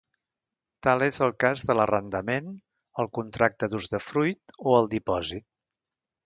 Tal és el cas de l'arrendament, el contracte d'usdefruit o el dipòsit.